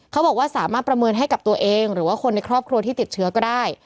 เขาบอกว่าสามารถประเมินให้กับตัวเองหรือว่าคนในครอบครัวที่ติดเชื้อก็ได้